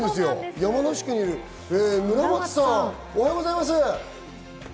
山梨県にいる村松さん、おはようおはようございます。